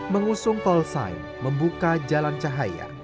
mengusung call sign membuka jalan cahaya